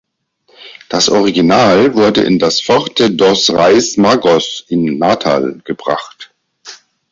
Das Original wurde in das "Forte dos Reis Magos" in Natal gebracht.